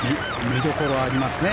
見どころがありますね。